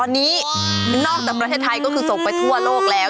ตอนนี้นอกจากประเทศไทยก็คือส่งไปทั่วโลกแล้ว